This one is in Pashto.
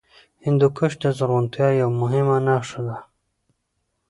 هندوکش د زرغونتیا یوه مهمه نښه ده.